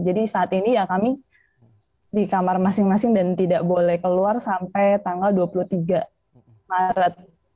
jadi saat ini ya kami di kamar masing masing dan tidak boleh keluar sampai tanggal dua puluh tiga maret